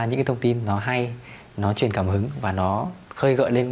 những cái thông tin nó hay nó truyền cảm hứng và nó khơi gợi lên